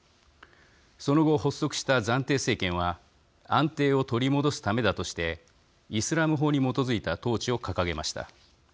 その後、発足した暫定政権は安定を取り戻すためだとしてイスラム法に基づいた統治を掲げました。